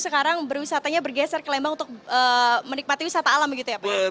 sekarang berwisatanya bergeser ke lembang untuk menikmati wisata alam begitu ya pak